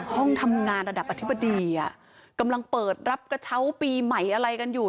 ห้องทำงานระดับอธิบดีกำลังเปิดรับกระเช้าปีใหม่อะไรกันอยู่